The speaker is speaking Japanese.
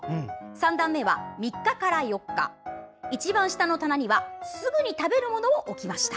３段目は３日から４日一番下の棚にはすぐに食べるものを置きました。